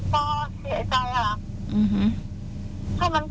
ก็เสียใจค่ะ